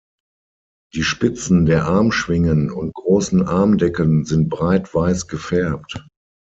Die Spitzen der Armschwingen und großen Armdecken sind breit weiß gefärbt.